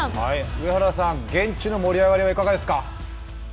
上原さん、現地の盛り上がりはいかがですか。